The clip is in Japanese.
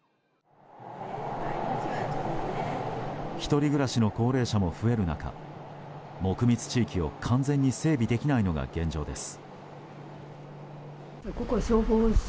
１人暮らしの高齢者も増える中木密地域を完全に整備できないのが現状です。